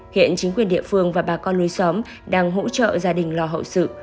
hiện chính quyền địa phương và bà con lối xóm đang hỗ trợ gia đình lo hậu sự